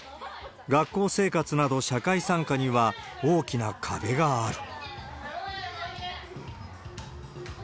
学校生活など、社会参加には大きな壁がある。